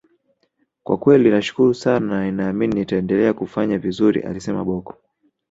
kwa kweli nashukuru sana na ninaamini nitaendelea kufanya vizuri alisema Bocco